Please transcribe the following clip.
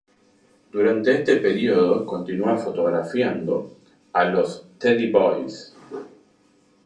Durante este período continúa fotografiando a los "Teddy Boys".